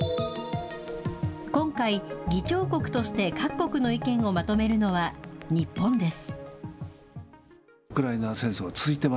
今回、議長国として各国の意見をまとめるのは日本です。